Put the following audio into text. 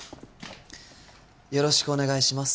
よろしくお願いします